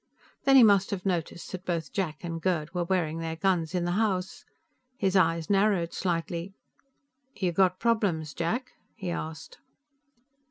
Then he must have noticed that both Jack and Gerd were wearing their guns in the house. His eyes narrowed slightly. "You got problems, Jack?" he asked.